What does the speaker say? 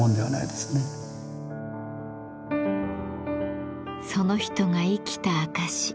その人が生きた証し。